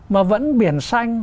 mà vẫn biển xanh